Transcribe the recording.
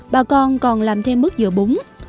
bà con còn làm thêm mức dựa bún